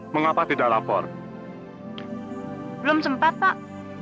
mengapa tidak lapor belum sempat pak